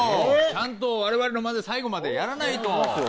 ちゃんと我々の漫才最後までやらないと。